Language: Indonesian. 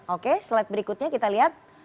oke slide berikutnya kita lihat